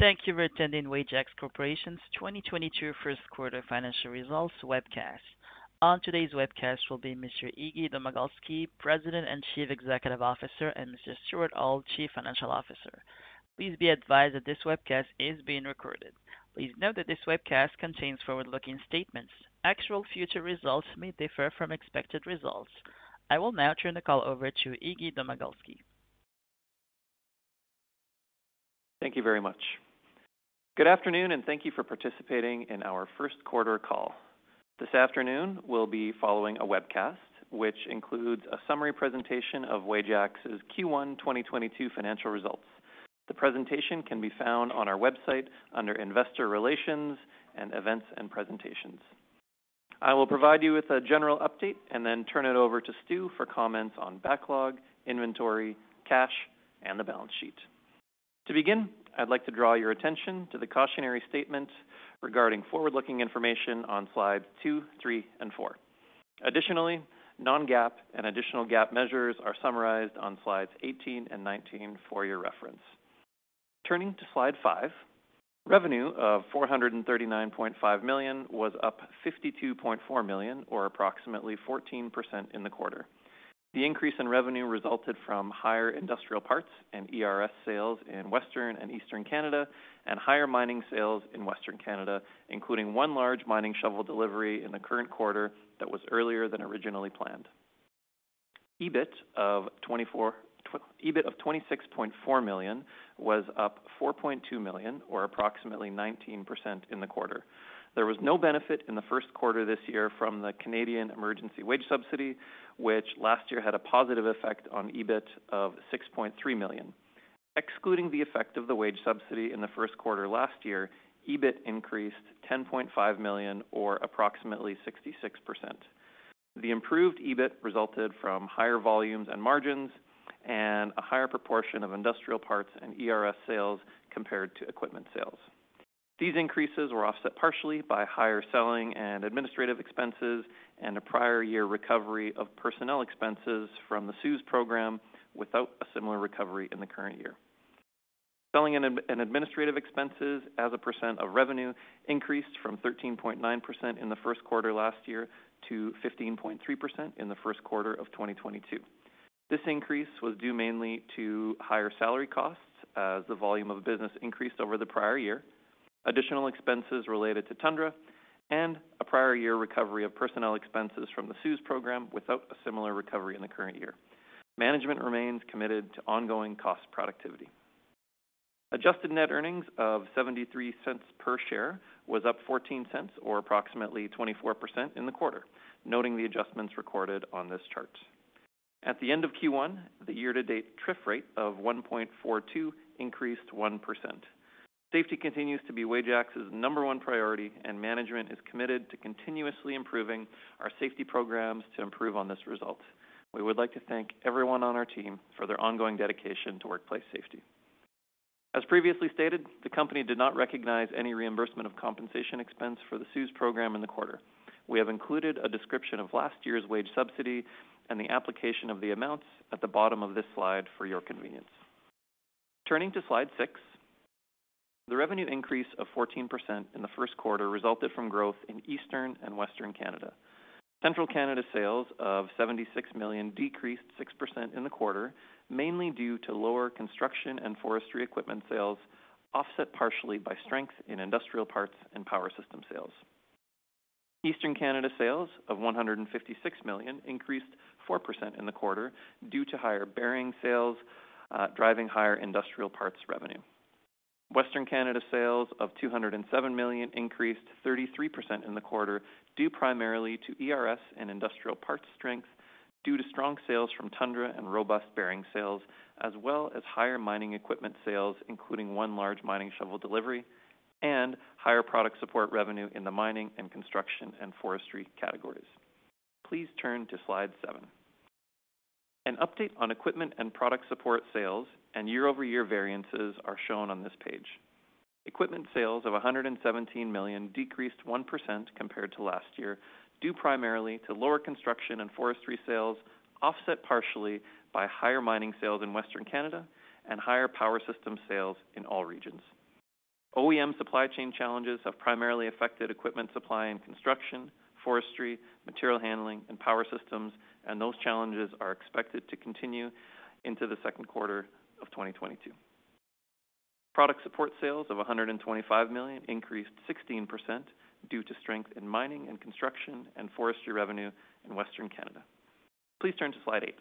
Thank you for attending Wajax Corporation's 2022 first quarter financial results webcast. On today's webcast will be Mr. Iggy Domagalski, President and Chief Executive Officer, and Mr. Stuart Auld, Chief Financial Officer. Please be advised that this webcast is being recorded. Please note that this webcast contains forward-looking statements. Actual future results may differ from expected results. I will now turn the call over to Iggy Domagalski. Thank you very much. Good afternoon, and thank you for participating in our first quarter call. This afternoon we'll be following a webcast which includes a summary presentation of Wajax's Q1 2022 financial results. The presentation can be found on our website under Investor Relations and Events and Presentations. I will provide you with a general update and then turn it over to Stu for comments on backlog, inventory, cash, and the balance sheet. To begin, I'd like to draw your attention to the cautionary statement regarding forward-looking information on slides two, three, and four. Additionally, non-GAAP and additional GAAP measures are summarized on slides 18 and 19 for your reference. Turning to slide five, revenue of 439.5 million was up 52.4 million or approximately 14% in the quarter. The increase in revenue resulted from higher industrial parts and ERS sales in Western and Eastern Canada and higher mining sales in Western Canada, including one large mining shovel delivery in the current quarter that was earlier than originally planned. EBIT of 26.4 million was up 4.2 million or approximately 19% in the quarter. There was no benefit in the first quarter this year from the Canada Emergency Wage Subsidy, which last year had a positive effect on EBIT of 6.3 million. Excluding the effect of the wage subsidy in the first quarter last year, EBIT increased 10.5 million or approximately 66%. The improved EBIT resulted from higher volumes and margins and a higher proportion of industrial parts and ERS sales compared to equipment sales. These increases were offset partially by higher selling and administrative expenses and a prior year recovery of personnel expenses from the CEWS program without a similar recovery in the current year. Selling and administrative expenses as a percent of revenue increased from 13.9% in the first quarter last year to 15.3% in the first quarter of 2022. This increase was due mainly to higher salary costs as the volume of business increased over the prior year, additional expenses related to Tundra, and a prior year recovery of personnel expenses from the CEWS program without a similar recovery in the current year. Management remains committed to ongoing cost productivity. Adjusted net earnings of 0.73 per share was up 0.14 or approximately 24% in the quarter, noting the adjustments recorded on this chart. At the end of Q1, the year-to-date TRIF rate of 1.42 increased 1%. Safety continues to be Wajax's number one priority and management is committed to continuously improving our safety programs to improve on this result. We would like to thank everyone on our team for their ongoing dedication to workplace safety. As previously stated, the company did not recognize any reimbursement of compensation expense for the CEWS program in the quarter. We have included a description of last year's wage subsidy and the application of the amounts at the bottom of this slide for your convenience. Turning to slide 6. The revenue increase of 14% in the first quarter resulted from growth in Eastern and Western Canada. Central Canada sales of 76 million decreased 6% in the quarter, mainly due to lower construction and forestry equipment sales, offset partially by strength in industrial parts and power system sales. Eastern Canada sales of 156 million increased 4% in the quarter due to higher bearing sales driving higher industrial parts revenue. Western Canada sales of 207 million increased 33% in the quarter, due primarily to ERS and industrial parts strength due to strong sales from Tundra and robust bearing sales, as well as higher mining equipment sales, including one large mining shovel delivery and higher product support revenue in the mining and construction and forestry categories. Please turn to slide seven. An update on equipment and product support sales and year-over-year variances are shown on this page. Equipment sales of 117 million decreased 1% compared to last year, due primarily to lower construction and forestry sales, offset partially by higher mining sales in Western Canada and higher power system sales in all regions. OEM supply chain challenges have primarily affected equipment supply and construction, forestry, material handling and power systems, and those challenges are expected to continue into the second quarter of 2022. Product support sales of 125 million increased 16% due to strength in mining and construction and forestry revenue in Western Canada. Please turn to slide 8.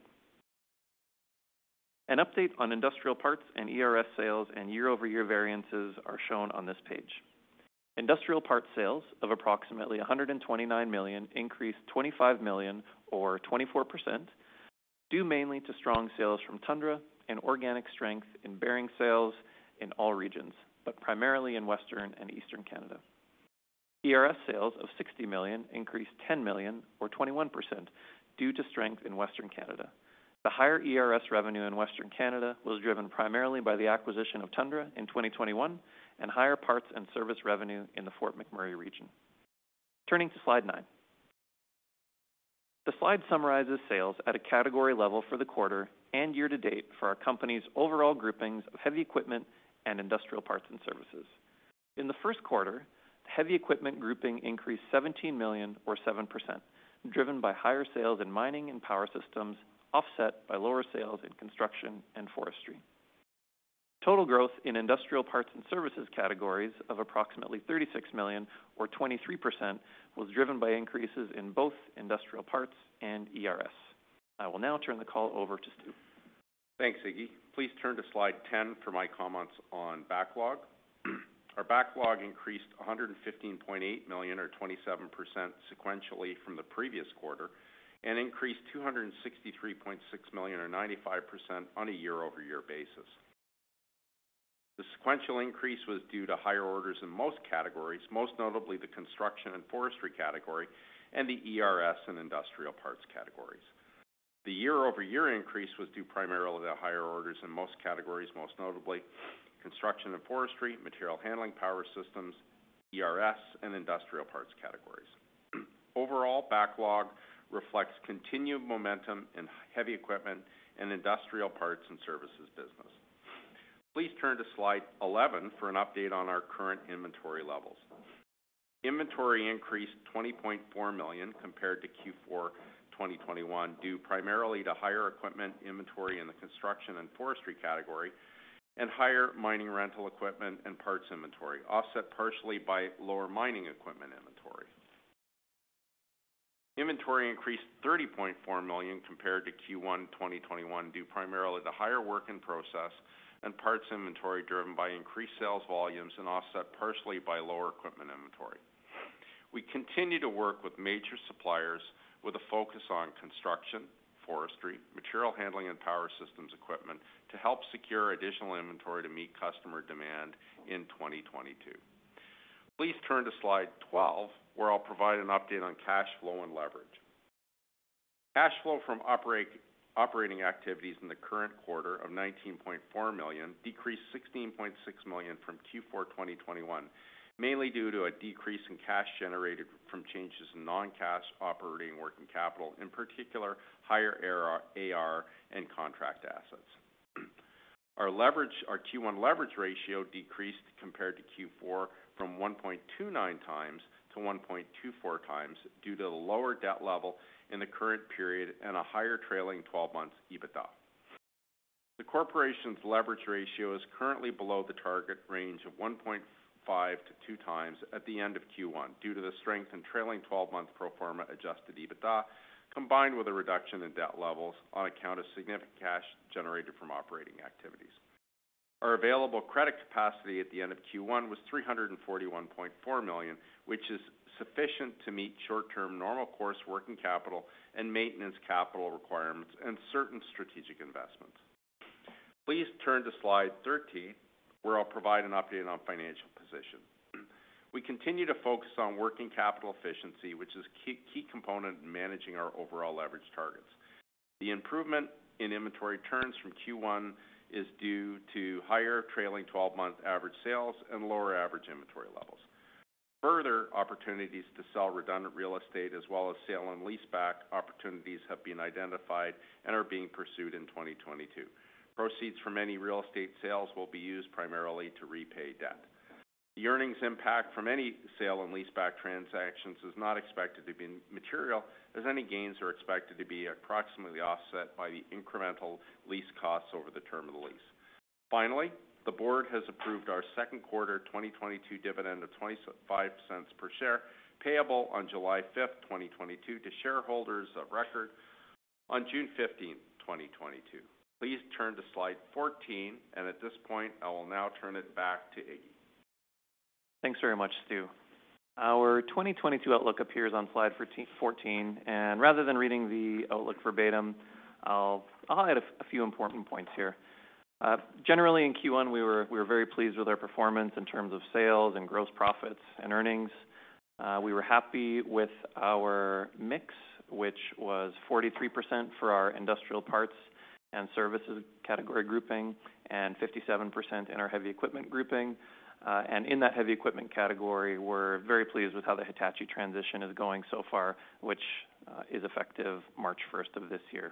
An update on industrial parts and ERS sales and year-over-year variances are shown on this page. Industrial parts sales of approximately 129 million increased 25 million or 24%, due mainly to strong sales from Tundra and organic strength in bearing sales in all regions, but primarily in Western and Eastern Canada. ERS sales of 60 million increased 10 million or 21% due to strength in Western Canada. The higher ERS revenue in Western Canada was driven primarily by the acquisition of Tundra in 2021 and higher parts and service revenue in the Fort McMurray region. Turning to slide 9. The slide summarizes sales at a category level for the quarter and year-to-date for our company's overall groupings of heavy equipment and industrial parts and services. In the first quarter, the heavy equipment grouping increased 17 million or 7%, driven by higher sales in mining and power systems, offset by lower sales in construction and forestry. Total growth in industrial parts and services categories of approximately 36 million or 23% was driven by increases in both industrial parts and ERS. I will now turn the call over to Stu. Thanks, Iggy. Please turn to slide 10 for my comments on backlog. Our backlog increased 115.8 million or 27% sequentially from the previous quarter, and increased 263.6 million or 95% on a year-over-year basis. The sequential increase was due to higher orders in most categories, most notably the construction and forestry category and the ERS and industrial parts categories. The year-over-year increase was due primarily to higher orders in most categories, most notably construction and forestry, material handling power systems, ERS, and industrial parts categories. Overall backlog reflects continued momentum in heavy equipment and industrial parts and services business. Please turn to slide 11 for an update on our current inventory levels. Inventory increased 20.4 million compared to Q4 2021, due primarily to higher equipment inventory in the construction and forestry category and higher mining rental equipment and parts inventory, offset partially by lower mining equipment inventory. Inventory increased 30.4 million compared to Q1 2021, due primarily to higher work in process and parts inventory driven by increased sales volumes and offset partially by lower equipment inventory. We continue to work with major suppliers with a focus on construction, forestry, material handling, and power systems equipment to help secure additional inventory to meet customer demand in 2022. Please turn to slide 12, where I'll provide an update on cash flow and leverage. Cash flow from operating activities in the current quarter of 19.4 million decreased 16.6 million from Q4 2021, mainly due to a decrease in cash generated from changes in non-cash operating working capital, in particular, higher AR and contract assets. Our Q1 leverage ratio decreased compared to Q4 from 1.29 times to 1.24 times due to the lower debt level in the current period and a higher trailing twelve-month EBITDA. The corporation's leverage ratio is currently below the target range of 1.5-2 times at the end of Q1 due to the strength in trailing twelve-month pro forma adjusted EBITDA, combined with a reduction in debt levels on account of significant cash generated from operating activities. Our available credit capacity at the end of Q1 was 341.4 million, which is sufficient to meet short-term normal course working capital and maintenance capital requirements and certain strategic investments. Please turn to slide 13, where I'll provide an update on financial position. We continue to focus on working capital efficiency, which is a key component in managing our overall leverage targets. The improvement in inventory turns from Q1 is due to higher trailing 12-month average sales and lower average inventory levels. Further opportunities to sell redundant real estate as well as sale and lease back opportunities have been identified and are being pursued in 2022. Proceeds from any real estate sales will be used primarily to repay debt. The earnings impact from any sale and lease back transactions is not expected to be material, as any gains are expected to be approximately offset by the incremental lease costs over the term of the lease. Finally, the board has approved our second quarter 2022 dividend of 0.25 per share payable on July fifth, 2022 to shareholders of record on June fifteenth, 2022. Please turn to slide 14, and at this point, I will now turn it back to Iggy. Thanks very much, Stu. Our 2022 outlook appears on slide 14, and rather than reading the outlook verbatim, I'll highlight a few important points here. Generally in Q1, we were very pleased with our performance in terms of sales and gross profits and earnings. We were happy with our mix, which was 43% for our industrial parts and services category grouping and 57% in our heavy equipment grouping. In that heavy equipment category, we're very pleased with how the Hitachi transition is going so far, which is effective March 1 of this year.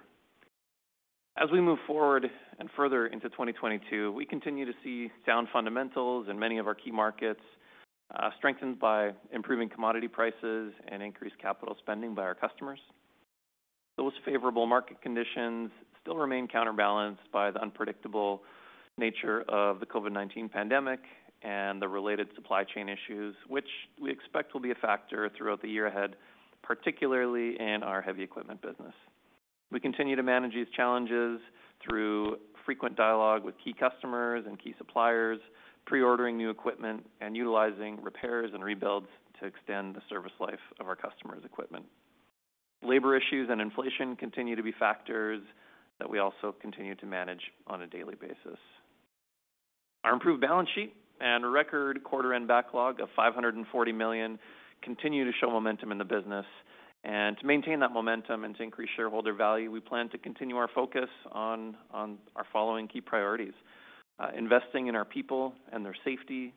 As we move forward and further into 2022, we continue to see sound fundamentals in many of our key markets, strengthened by improving commodity prices and increased capital spending by our customers. Those favorable market conditions still remain counterbalanced by the unpredictable nature of the COVID-19 pandemic and the related supply chain issues, which we expect will be a factor throughout the year ahead, particularly in our heavy equipment business. We continue to manage these challenges through frequent dialogue with key customers and key suppliers, pre-ordering new equipment and utilizing repairs and rebuilds to extend the service life of our customers' equipment. Labor issues and inflation continue to be factors that we also continue to manage on a daily basis. Our improved balance sheet and a record quarter end backlog of 540 million continue to show momentum in the business. To maintain that momentum and to increase shareholder value, we plan to continue our focus on our following key priorities, investing in our people and their safety,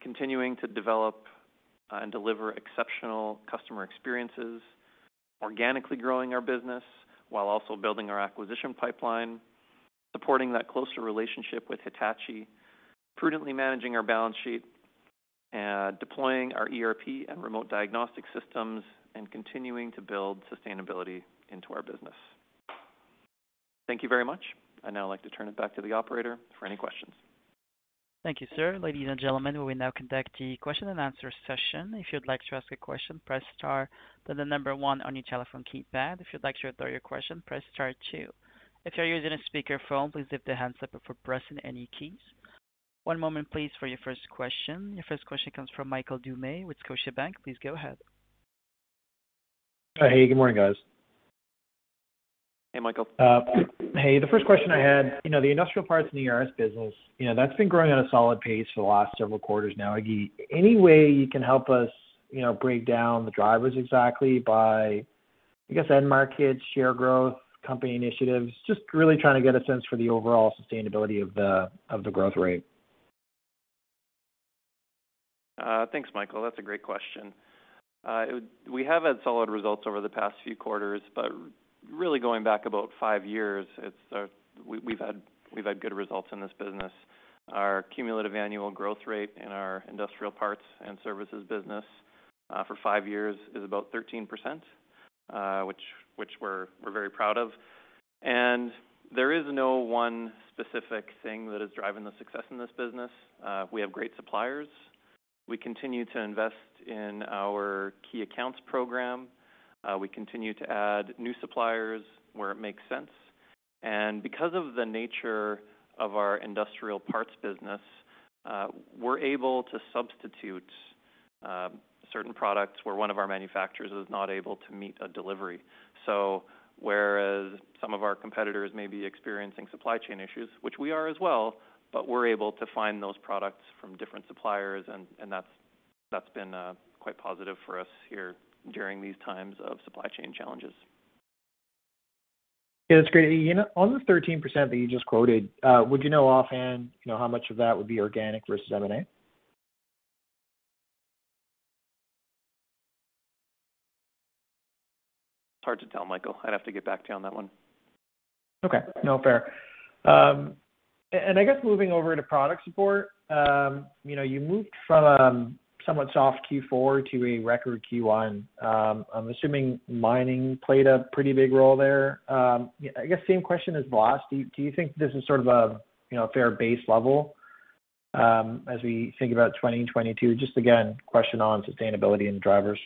continuing to develop and deliver exceptional customer experiences, organically growing our business while also building our acquisition pipeline, supporting that closer relationship with Hitachi, prudently managing our balance sheet, and deploying our ERP and remote diagnostic systems, and continuing to build sustainability into our business. Thank you very much. I'd now like to turn it back to the operator for any questions. Thank you, sir. Ladies and gentlemen, we will now conduct the question and answer session. If you'd like to ask a question, press star, then the number one on your telephone keypad. If you'd like to withdraw your question, press star two. If you're using a speakerphone, please lift the handset before pressing any keys. One moment please for your first question. Your first question comes from Michael Doumet with Scotiabank. Please go ahead. Hey, good morning, guys. Hey, Michael. Hey. The first question I had, you know, the industrial parts in the ERS business, you know, that's been growing at a solid pace for the last several quarters now. Any way you can help us, you know, break down the drivers exactly by, I guess, end market, share growth, company initiatives? Just really trying to get a sense for the overall sustainability of the growth rate. Thanks, Michael. That's a great question. We have had solid results over the past few quarters, but really going back about five years, we've had good results in this business. Our cumulative annual growth rate in our industrial parts and services business for five years is about 13%, which we're very proud of. There is no one specific thing that is driving the success in this business. We have great suppliers. We continue to invest in our key accounts program. We continue to add new suppliers where it makes sense. Because of the nature of our industrial parts business, we're able to substitute certain products where one of our manufacturers is not able to meet a delivery. Whereas some of our competitors may be experiencing supply chain issues, which we are as well, but we're able to find those products from different suppliers, and that's been quite positive for us here during these times of supply chain challenges. Yeah, that's great. You know, on the 13% that you just quoted, would you know offhand, you know, how much of that would be organic versus M&A? It's hard to tell, Michael. I'd have to get back to you on that one. Okay. No, fair. I guess moving over to product support, you know, you moved from a somewhat soft Q4 to a record Q1. I'm assuming mining played a pretty big role there. I guess same question is asked. Do you think this is sort of a, you know, fair base level, as we think about 2022? Just again, question on sustainability and drivers.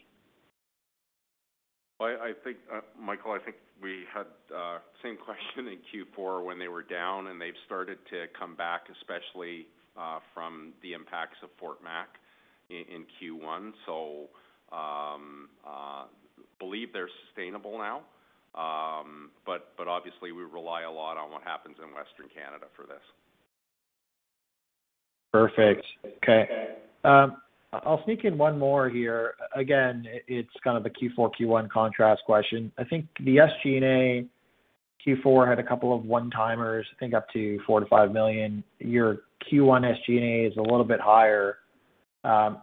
I think, Michael, we had the same question in Q4 when they were down, and they've started to come back, especially from the impacts of Fort Mac fire in Q1. I believe they're sustainable now. Obviously we rely a lot on what happens in Western Canada for this. Perfect. Okay. I'll sneak in one more here. Again, it's kind of a Q4, Q1 contrast question. I think the SG&A Q4 had a couple of one-timers, I think up to 4 million-5 million. Your Q1 SG&A is a little bit higher,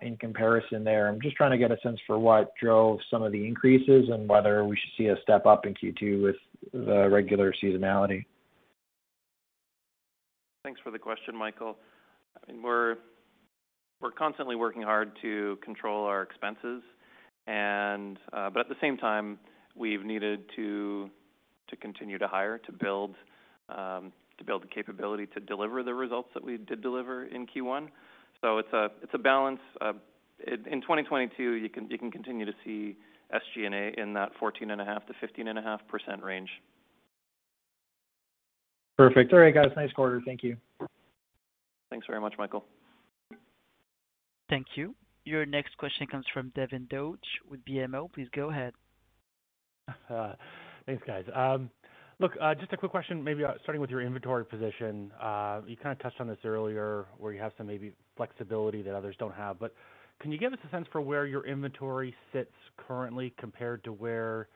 in comparison there. I'm just trying to get a sense for what drove some of the increases and whether we should see a step up in Q2 with the regular seasonality. Thanks for the question, Michael. We're constantly working hard to control our expenses and, but at the same time, we've needed to continue to hire, to build the capability to deliver the results that we did deliver in Q1. It's a balance. In 2022, you can continue to see SG&A in that 14.5%-15.5% range. Perfect. All right, guys. Nice quarter. Thank you. Thanks very much, Michael. Thank you. Your next question comes from Devin Dodge with BMO. Please go ahead. Thanks, guys. Look, just a quick question, maybe starting with your inventory position. You kind of touched on this earlier where you have some maybe flexibility that others don't have, but can you give us a sense for where your inventory sits currently compared to where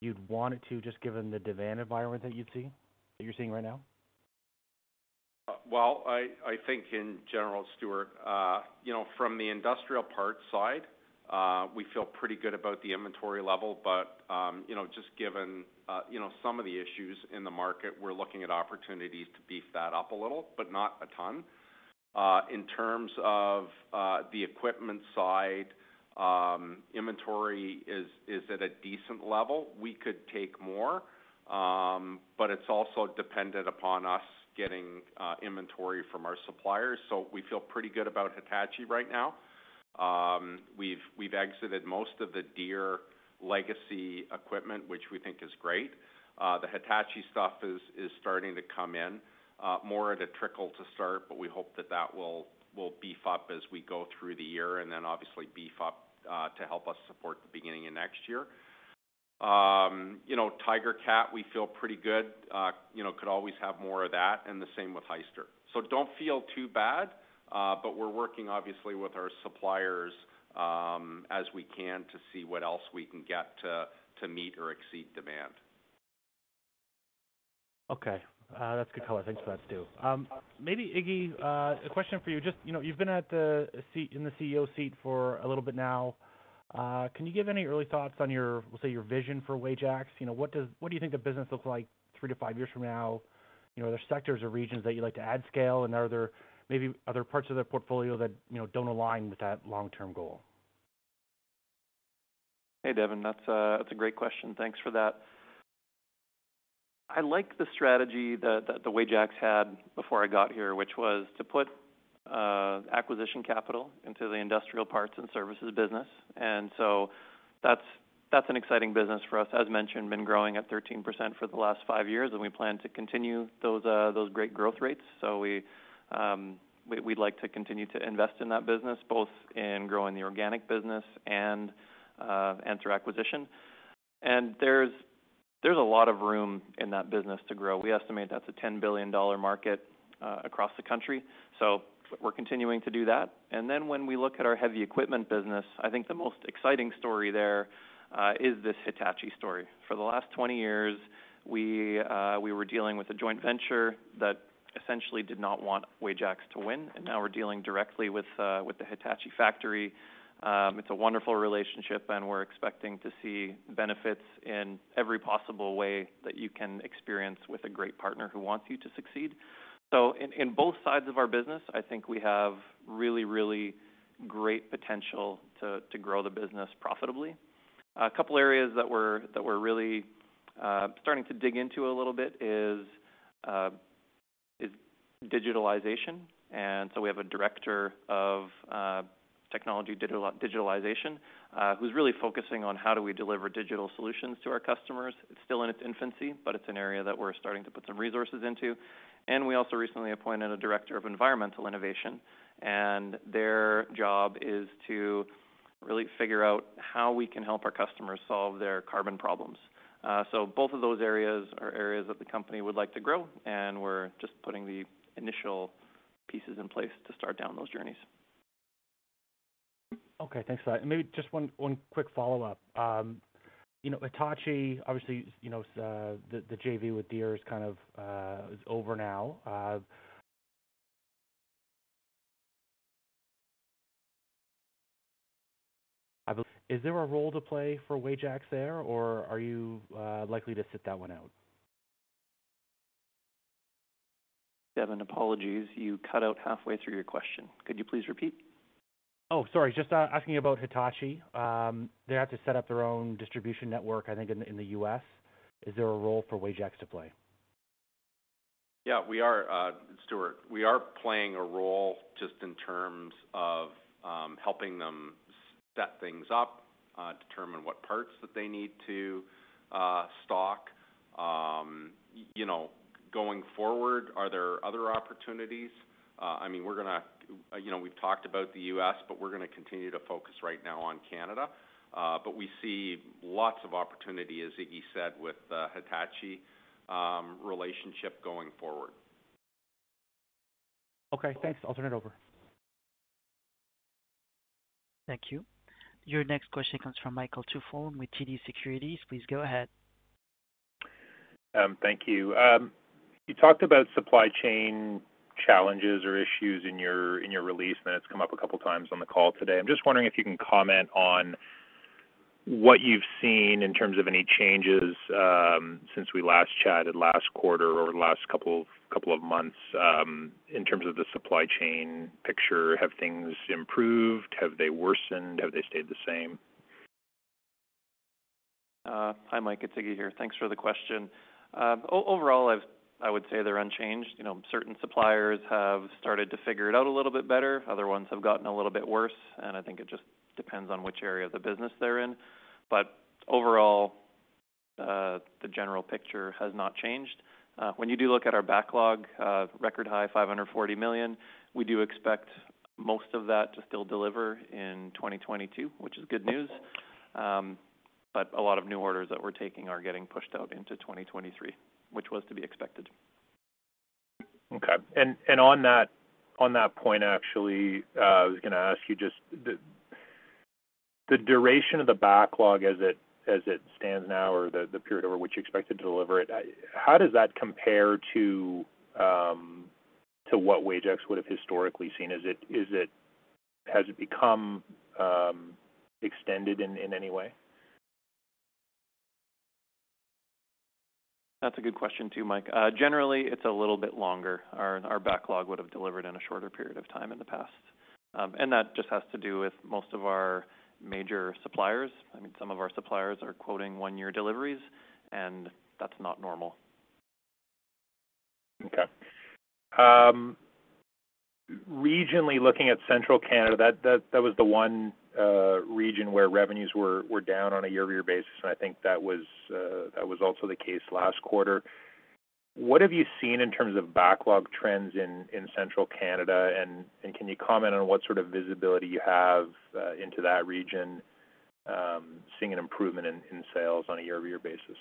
you'd want it to, just given the demand environment that you're seeing right now? Well, I think in general, Stuart, you know, from the industrial parts side, we feel pretty good about the inventory level, but, you know, just given, you know, some of the issues in the market, we're looking at opportunities to beef that up a little, but not a ton. In terms of the equipment side, inventory is at a decent level. We could take more, but it's also dependent upon us getting inventory from our suppliers. So we feel pretty good about Hitachi right now. We've exited most of the Deere legacy equipment, which we think is great. The Hitachi stuff is starting to come in more at a trickle to start, but we hope that will beef up as we go through the year and then obviously beef up to help us support the beginning of next year. You know, Tigercat, we feel pretty good. You know, could always have more of that, and the same with Hyster. Don't feel too bad, but we're working obviously with our suppliers as we can to see what else we can get to meet or exceed demand. Okay. That's good color. Thanks for that, Stu. Maybe Iggy, a question for you. You know, you've been in the CEO seat for a little bit now. Can you give any early thoughts on your, let's say, your vision for Wajax? You know, what do you think the business looks like three to five years from now? You know, are there sectors or regions that you'd like to add scale, and are there maybe other parts of their portfolio that, you know, don't align with that long-term goal? Hey, Devin. That's a great question. Thanks for that. I like the strategy that the Wajax had before I got here, which was to put acquisition capital into the industrial parts and services business. That's an exciting business for us. As mentioned, been growing at 13% for the last five years, and we plan to continue those great growth rates. We'd like to continue to invest in that business, both in growing the organic business and through acquisition. There's a lot of room in that business to grow. We estimate that's a 10 billion dollar market across the country. We're continuing to do that. When we look at our heavy equipment business, I think the most exciting story there is this Hitachi story. For the last 20 years, we were dealing with a joint venture that essentially did not want Wajax to win. Now we're dealing directly with the Hitachi factory. It's a wonderful relationship, and we're expecting to see benefits in every possible way that you can experience with a great partner who wants you to succeed. In both sides of our business, I think we have really great potential to grow the business profitably. A couple areas that we're really starting to dig into a little bit is digitalization. We have a director of technology digitalization, who's really focusing on how do we deliver digital solutions to our customers. It's still in its infancy, but it's an area that we're starting to put some resources into. We also recently appointed a director of environmental innovation, and their job is to really figure out how we can help our customers solve their carbon problems. Both of those areas are areas that the company would like to grow, and we're just putting the initial pieces in place to start down those journeys. Okay. Thanks for that. Maybe just one quick follow-up. You know, Hitachi, obviously, you know, the JV with Deere is kind of over now. Is there a role to play for Wajax there, or are you likely to sit that one out? Devin, apologies. You cut out halfway through your question. Could you please repeat? Just asking about Hitachi. They have to set up their own distribution network, I think in the US. Is there a role for Wajax to play? Yeah, we are, Stuart. We are playing a role just in terms of helping them set things up, determine what parts that they need to stock. You know, going forward, are there other opportunities? I mean, we're gonna. You know, we've talked about the U.S., but we're gonna continue to focus right now on Canada. We see lots of opportunity, as Iggy said, with the Hitachi relationship going forward. Okay, thanks. I'll turn it over. Thank you. Your next question comes from Michael Tupholme with TD Cowen. Please go ahead. Thank you. You talked about supply chain challenges or issues in your release. It's come up a couple times on the call today. I'm just wondering if you can comment on what you've seen in terms of any changes since we last chatted last quarter or last couple of months in terms of the supply chain picture. Have things improved? Have they worsened? Have they stayed the same? Hi, Mike. It's Iggy here. Thanks for the question. Overall, I would say they're unchanged. You know, certain suppliers have started to figure it out a little bit better. Other ones have gotten a little bit worse, and I think it just depends on which area of the business they're in. Overall, the general picture has not changed. When you do look at our backlog, record-high 540 million, we do expect most of that to still deliver in 2022, which is good news. A lot of new orders that we're taking are getting pushed out into 2023, which was to be expected. Okay. On that point, actually, I was gonna ask you just the duration of the backlog as it stands now or the period over which you expect to deliver it, how does that compare to what Wajax would have historically seen? Has it become extended in any way? That's a good question too, Mike. Generally, it's a little bit longer. Our backlog would have delivered in a shorter period of time in the past. That just has to do with most of our major suppliers. I mean, some of our suppliers are quoting one-year deliveries, and that's not normal. Okay. Regionally, looking at Central Canada, that was the one region where revenues were down on a year-over-year basis, and I think that was also the case last quarter. What have you seen in terms of backlog trends in Central Canada? Can you comment on what sort of visibility you have into that region, seeing an improvement in sales on a year-over-year basis?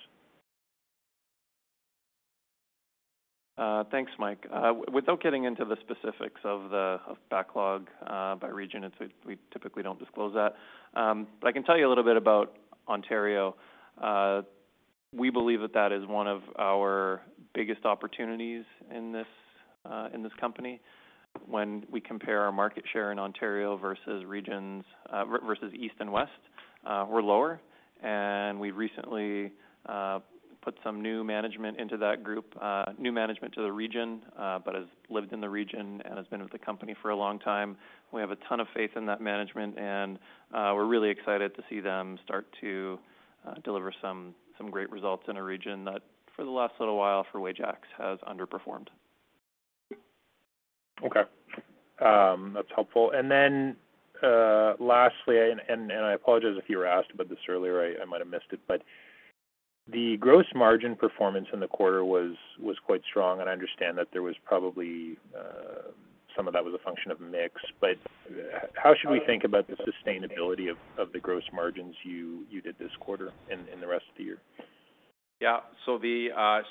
Thanks, Mike. Without getting into the specifics of the backlog by region, it's we typically don't disclose that. But I can tell you a little bit about Ontario. We believe that is one of our biggest opportunities in this company. When we compare our market share in Ontario versus regions versus East and West, we're lower. We recently put some new management into that group, new management to the region, but has lived in the region and has been with the company for a long time. We have a ton of faith in that management, and we're really excited to see them start to deliver some great results in a region that for the last little while for Wajax has underperformed. Okay. That's helpful. Lastly, and I apologize if you were asked about this earlier, I might have missed it, but the gross margin performance in the quarter was quite strong and I understand that there was probably some of that was a function of mix. How should we think about the sustainability of the gross margins you did this quarter and the rest of the year? Yeah.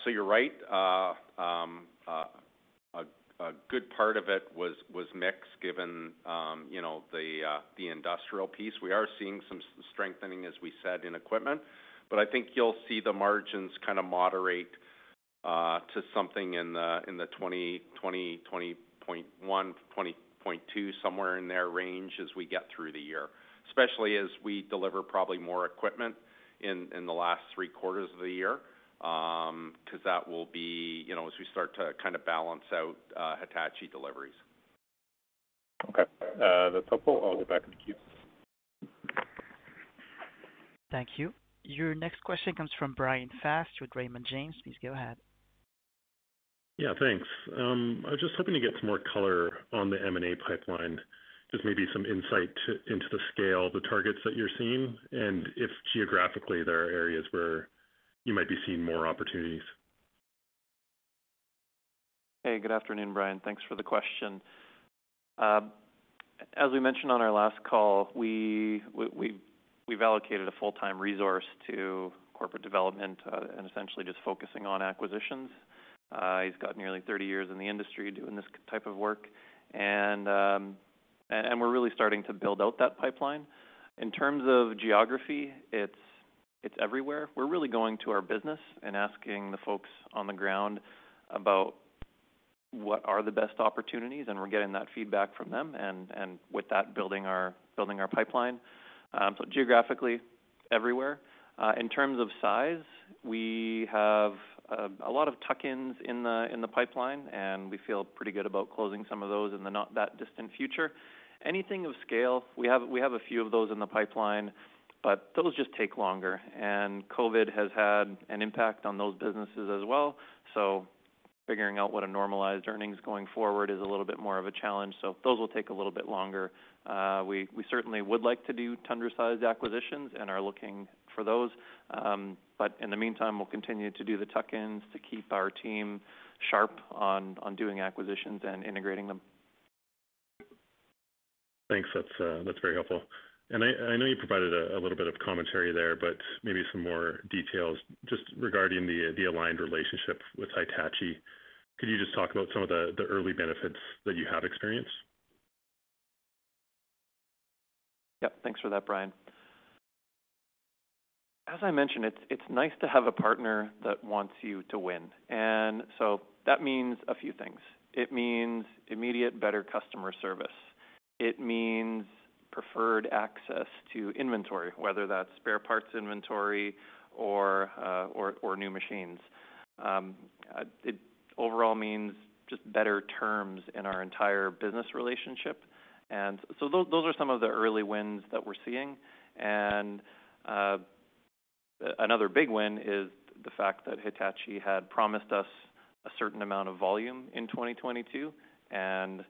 You're right. A good part of it was mix given, you know, the industrial piece. We are seeing some strengthening, as we said, in equipment, but I think you'll see the margins kind of moderate to something in the 20.1%-20.2% range as we get through the year, especially as we deliver probably more equipment in the last three quarters of the year, 'cause that will be, you know, as we start to kind of balance out, Hitachi deliveries. Okay. That's helpful. I'll get back in the queue. Thank you. Your next question comes from Bryan Fast with Raymond James. Please go ahead. Yeah, thanks. I was just hoping to get some more color on the M&A pipeline, just maybe some insight into the scale of the targets that you're seeing and if geographically there are areas where you might be seeing more opportunities? Hey, good afternoon, Bryan. Thanks for the question. As we mentioned on our last call, we've allocated a full-time resource to corporate development, and essentially just focusing on acquisitions. He's got nearly 30 years in the industry doing this type of work, and we're really starting to build out that pipeline. In terms of geography, it's everywhere. We're really going to our business and asking the folks on the ground about what are the best opportunities, and we're getting that feedback from them and with that, building our pipeline. Geographically, everywhere. In terms of size, we have a lot of tuck-ins in the pipeline, and we feel pretty good about closing some of those in the not that distant future. Anything of scale, we have a few of those in the pipeline, but those just take longer, and COVID has had an impact on those businesses as well. Figuring out what a normalized earnings going forward is a little bit more of a challenge, so those will take a little bit longer. We certainly would like to do Tundra-sized acquisitions and are looking for those. In the meantime, we'll continue to do the tuck-ins to keep our team sharp on doing acquisitions and integrating them. Thanks. That's very helpful. I know you provided a little bit of commentary there, but maybe some more details just regarding the alliance relationship with Hitachi. Could you just talk about some of the early benefits that you have experienced? Yep. Thanks for that, Bryan. As I mentioned, it's nice to have a partner that wants you to win, and so that means a few things. It means immediate better customer service. It means preferred access to inventory, whether that's spare parts inventory or new machines. It overall means just better terms in our entire business relationship. Another big win is the fact that Hitachi had promised us a certain amount of volume in 2022, and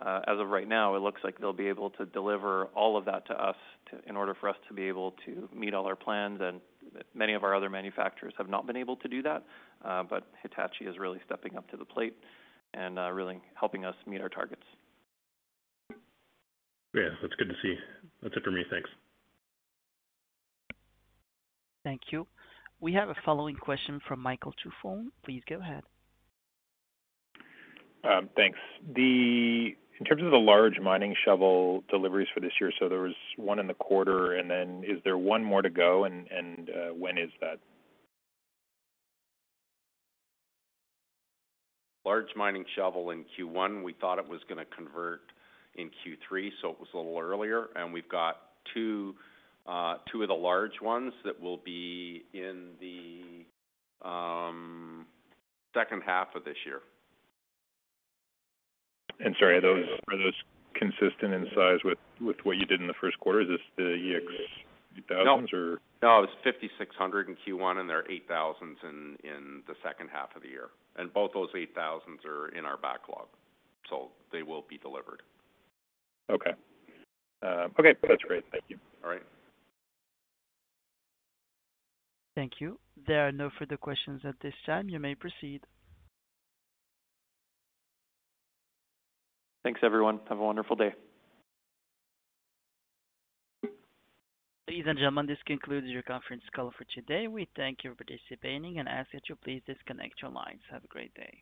as of right now, it looks like they'll be able to deliver all of that to us in order for us to be able to meet all our plans. Many of our other manufacturers have not been able to do that, but Hitachi is really stepping up to the plate and really helping us meet our targets. Yeah. That's good to see. That's it for me. Thanks. Thank you. We have the following question from Michael Tupholme. Please go ahead. Thanks. Then in terms of the large mining shovel deliveries for this year, there was one in the quarter, and then is there one more to go and, when is that? Large mining shovel in Q1. We thought it was gonna convert in Q3, so it was a little earlier. We've got two of the large ones that will be in the second half of this year. Sorry, are those consistent in size with what you did in the first quarter? Is this the EX 3000s or- No. No. It's EX5600 in Q1, and they're EX8000s in the second half of the year. Both those EX8000s are in our backlog, so they will be delivered. Okay. Okay. That's great. Thank you. All right. Thank you. There are no further questions at this time. You may proceed. Thanks, everyone. Have a wonderful day. Ladies and gentlemen, this concludes your conference call for today. We thank you for participating and ask that you please disconnect your lines. Have a great day.